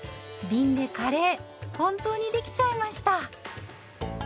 びんでカレー本当にできちゃいました。